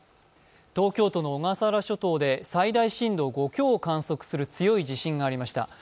東京都の小笠原諸島で最大震度５強を観測する強い地震がありました。